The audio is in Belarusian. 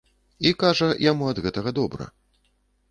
І, кажа, яму ад гэтага добра.